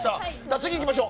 次、いきましょう。